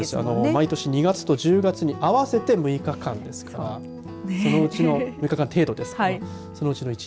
毎年２月と１０月に合わせて６日間ですからそのうちの６日間程度ですけどはい。